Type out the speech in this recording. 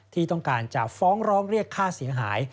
ที่ต้องการจะฟ้องร้องเรียกค่าเสียหาย